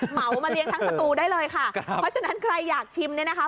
เหมามาเลี้ยงทั้งสตูได้เลยค่ะเพราะฉะนั้นใครอยากชิมเนี่ยนะคะ